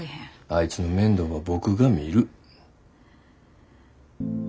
あいつの面倒は僕が見る。